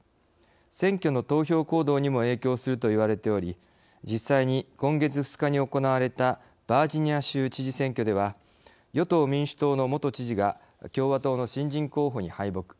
選挙の投票行動にも影響するといわれており実際に今月２日に行われたバージニア州知事選挙では与党民主党の元知事が共和党の新人候補に敗北。